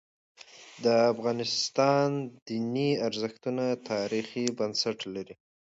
د افغانستان دیني ارزښتونه تاریخي بنسټ لري.